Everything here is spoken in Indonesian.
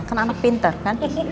kan anak pinter kan